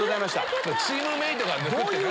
チームメートが抜くって何？